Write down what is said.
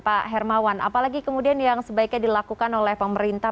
pak hermawan apalagi kemudian yang sebaiknya dilakukan oleh pemerintah